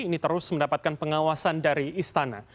ini terus mendapatkan pengawasan dari istana